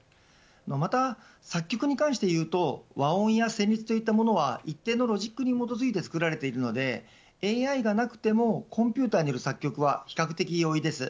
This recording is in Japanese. また、作曲に関していうと和音や旋律といったものは一定のロジックに基づいて作られているのでＡＩがなくてもコンピューターによる作曲は比較的容易です。